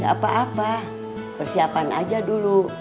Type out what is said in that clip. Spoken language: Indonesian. apa apa persiapan aja dulu